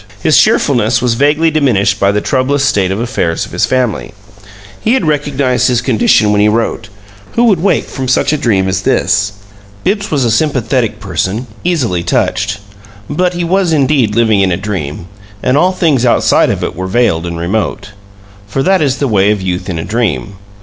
His cheerfulness was vaguely diminished by the troublous state of affairs of his family. He had recognized his condition when he wrote, "Who would wake from such a dream as this?" Bibbs was a sympathetic person, easily touched, but he was indeed living in a dream, and all things outside of it were veiled and remote for that is the way of youth in a dream.